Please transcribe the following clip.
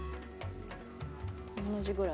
同じぐらい？